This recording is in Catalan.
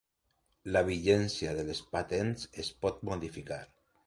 La vigència de les patents es pot modificar.